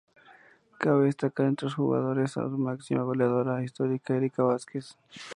Cabe destacar entre sus jugadoras a su máxima goleadora histórica Erika Vázquez.